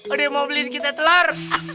udah mau beliin kita telur